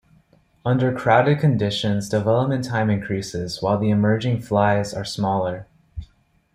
Under crowded conditions, development time increases, while the emerging flies are smaller.